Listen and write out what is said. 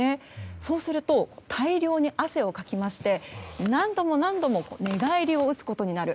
そうすると大量に汗をかきまして何度も寝返りを打つことになる。